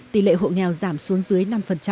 tỷ lệ hộ nghèo giảm xuống dưới năm